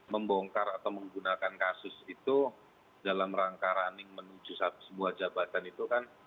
membongkar atau menggunakan kasus itu dalam rangka running menuju sebuah jabatan itu kan